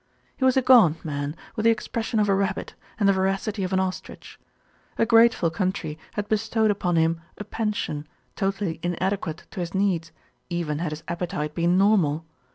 He was a gaunt man, with the expression of a rabbit, and the voracity of an ostrich. A grateful country had be stowed upon him a pension, totally inadequate to his needs, even had his appetite been normal.